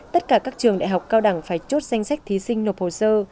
tất cả các trường đại học cao đẳng phải chốt danh sách thí sinh nộp hồ sơ